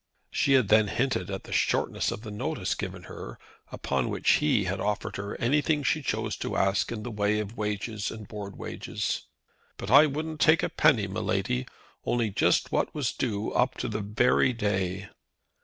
'" She had then hinted at the shortness of the notice given her, upon which he had offered her anything she chose to ask in the way of wages and board wages. "But I wouldn't take a penny, my Lady; only just what was due up to the very day."